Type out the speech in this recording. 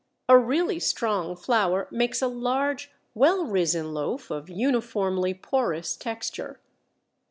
A really strong flour makes a large, well risen loaf of uniformly porous texture.